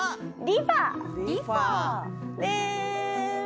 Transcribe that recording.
リファ！